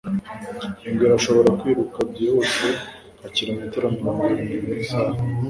Ingwe irashobora kwiruka byihuse nka kilometero mirongo irindwi mu isaha